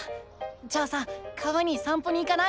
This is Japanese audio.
じゃあさ川にさん歩に行かない？